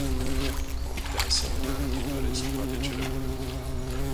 De asemenea, îi doresc toate cele bune.